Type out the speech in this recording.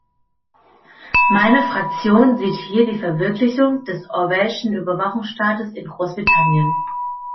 Meine Fraktion sieht hier die Verwirklichung des Orwell'schen Überwachungsstaates in Großbritannien.